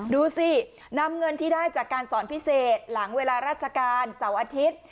ดูสินำเงินที่ได้จากการสอนพิเศษหลังเวลาราชการเสาร์อาทิตย์